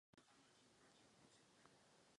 Nemůžeme je odstranit všechny.